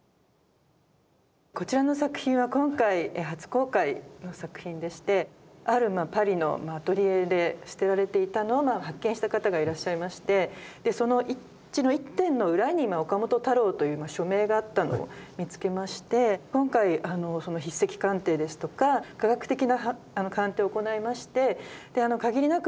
こちらの作品は今回初公開の作品でしてあるパリのアトリエで捨てられていたのを発見した方がいらっしゃいましてそのうちの１点の裏に「岡本太郎」という署名があったのを見つけまして今回筆跡鑑定ですとか科学的な鑑定を行いまして限りなく